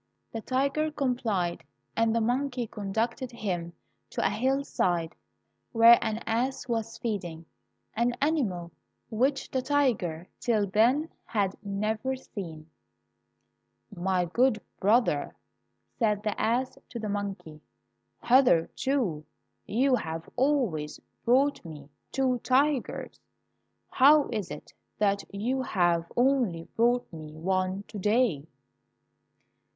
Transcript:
The tiger complied, and the monkey conducted him to a hillside where an ass was feeding — an animal which the tiger, till then, had never seen. "My good brother," said the ass to the monkey, "hitherto you have always brought me two tigers, how is it that you have only brought me one to day?"